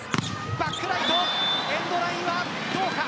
バックライトエンドラインはどうか。